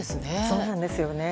そうなんですよね。